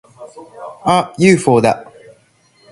あっ！ユーフォーだ！